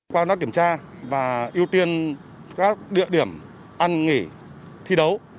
qua các kiểm tra và ưu tiên các địa điểm an nghỉ thi đấu